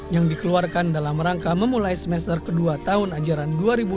yang dikeluarkan dalam rangka memulai semester kedua tahun ajaran dua ribu dua puluh dua dua ribu dua puluh tiga